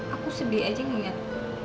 aku sedih aja ngeliat